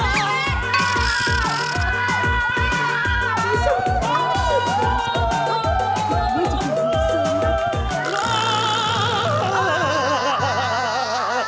kayakan gw masih keberanian